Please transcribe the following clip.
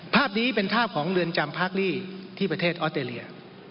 ภาพนี้เป็นภาพของเรือนจำพากลี่ที่ประเทศออสเตรเลีย